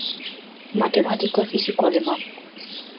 Matemático e físico alemán.